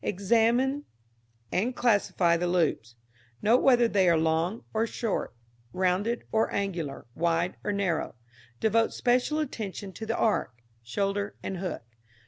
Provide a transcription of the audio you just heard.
Examine and classify the loops. Note whether they are long or short, rounded or angular, wide or narrow. Devote special attention to the arc, shoulder and hook.